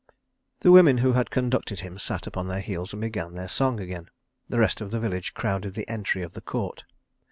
The women who had conducted him sat upon their heels and began their song again. The rest of the village crowded the entry of the court.